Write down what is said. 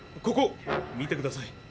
ここ見てください。